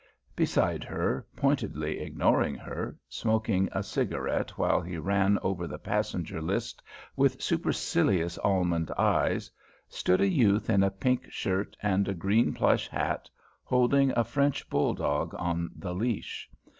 Beside her, pointedly ignoring her, smoking a cigarette while he ran over the passenger list with supercilious almond eyes, stood a youth in a pink shirt and a green plush hat, holding a French bull dog on the leash.